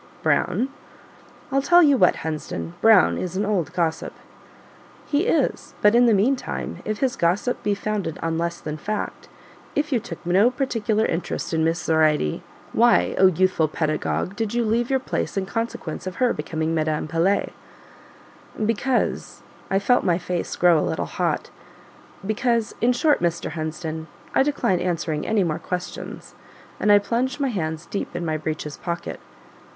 "Brown." "I'll tell you what, Hunsden Brown is an old gossip." "He is; but in the meantime, if his gossip be founded on less than fact if you took no particular interest in Miss Zoraide why, O youthful pedagogue! did you leave your place in consequence of her becoming Madame Pelet?" "Because " I felt my face grow a little hot; "because in short, Mr. Hunsden, I decline answering any more questions," and I plunged my hands deep in my breeches pocket.